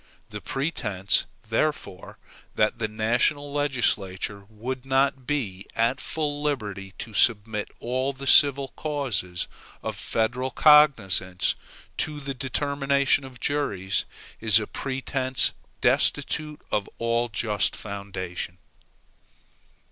The pretense, therefore, that the national legislature would not be at full liberty to submit all the civil causes of federal cognizance to the determination of juries, is a pretense destitute of all just foundation.